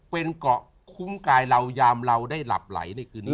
เป็นเกาะคุ้มกายเรายามเราได้หลับไหลในคืนนี้